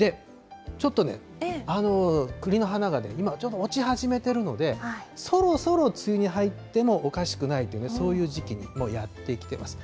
ちょっとね、クリの花がね、今、ちょうど落ち始めてるので、そろそろ梅雨に入ってもおかしくないというね、そういう時期に、もうやって来てます。